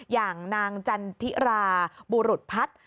อย่างนางจันทิราบูรุภัทร